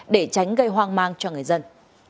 để tránh gây hoang mang cho người dân